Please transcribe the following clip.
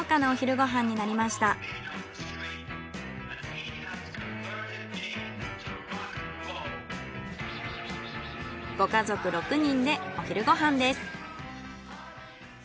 ご家族６人でお昼ご飯です。